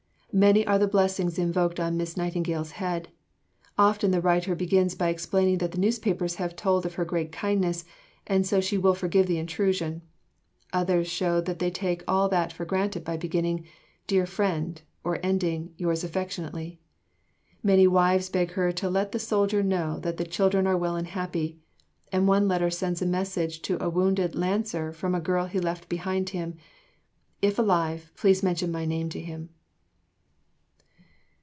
Many are the blessings invoked on Miss Nightingale's head. Often the writer begins by explaining that the newspapers have told of her great kindness and so she will forgive the intrusion. Others show that they take all that for granted by beginning, "Dear Friend," or ending, "Yours affectionately." Many wives beg her to let the soldier know that the children are well and happy. And one letter sends a message to a wounded Lancer from the girl he left behind him, "If alive, please mention my name to him."